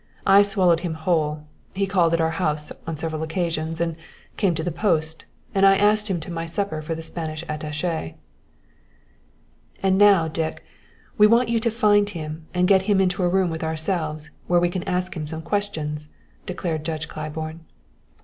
I swallowed him whole; he called at our house on several occasions, and came to the post, and I asked him to my supper for the Spanish attaché." "And now, Dick, we want you to find him and get him into a room with ourselves, where we can ask him some questions," declared Judge Claiborne.